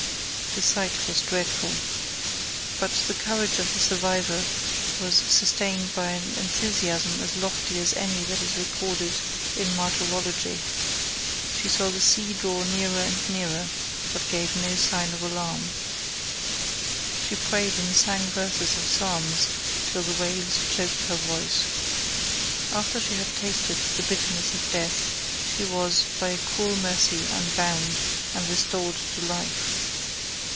The sight was dreadful. But the courage of the survivor was sustained by an enthusiasm as lofty as any that is recorded in martyrology. She saw the sea draw nearer and nearer, but gave no sign of alarm. She prayed and sang verses of psalms till the waves choked her voice. After she had tasted the bitterness of death, she was, by a cruel mercy unbound and restored to life.